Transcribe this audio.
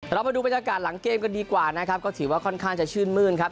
เรามาดูบรรยากาศหลังเกมกันดีกว่านะครับก็ถือว่าค่อนข้างจะชื่นมื้นครับ